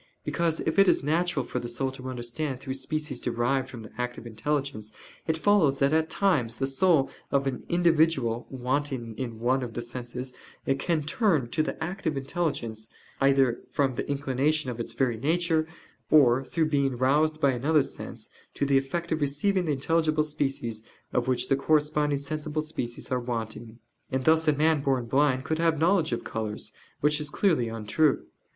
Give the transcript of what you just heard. Because if it is natural for the soul to understand through species derived from the "active intelligence," it follows that at times the soul of an individual wanting in one of the senses can turn to the active intelligence, either from the inclination of its very nature, or through being roused by another sense, to the effect of receiving the intelligible species of which the corresponding sensible species are wanting. And thus a man born blind could have knowledge of colors; which is clearly untrue.